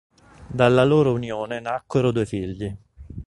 Dalla loro unione nacquero due figli.